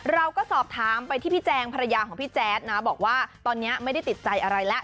เราก็สอบถามไปที่พี่แจงภรรยาของพี่แจ๊ดนะบอกว่าตอนนี้ไม่ได้ติดใจอะไรแล้ว